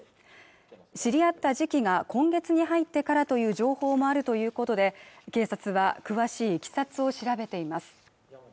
知り合った時期が今月に入ってからという情報もあるということで警察は詳しいいきさつを調べています